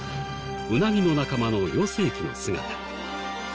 ウナギの仲間の幼生期の姿。